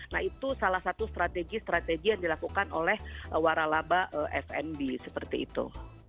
nah itu salah satu strategi strategi yang dilakukan oleh waralaba fnb seperti itu